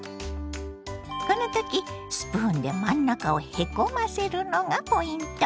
この時スプーンで真ん中をへこませるのがポイント。